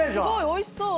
おいしそう。